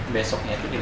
besoknya itu dikenal